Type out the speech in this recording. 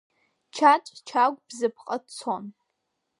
Чаҵә Чагә Бзыԥҟа дцон.